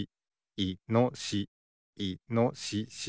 いのしし。